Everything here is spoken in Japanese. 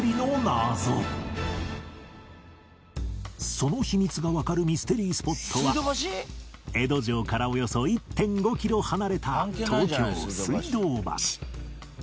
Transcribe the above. その秘密がわかるミステリースポットは江戸城からおよそ １．５ キロ離れた東京水道橋